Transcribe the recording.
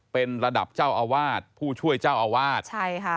เป็นระดับเจ้าอาวาสผู้ช่วยเจ้าอาวาสใช่ค่ะ